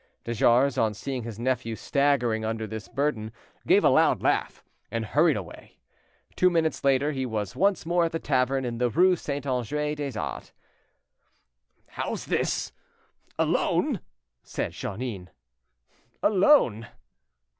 De Jars, on seeing his nephew staggering under this burden, gave a loud laugh, and hurried away. Two minutes later he was once more at the tavern in the rue Saint Andre des Arts. "How's this? Alone?" said Jeannin. "Alone."